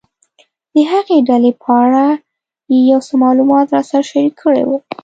د هغې ډلې په اړه یې یو څه معلومات راسره شریک کړي ول.